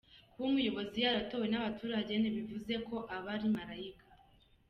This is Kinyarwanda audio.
Kuba umuyobozi yaratowe n’abaturage ntibivuze ko aba ari malayika.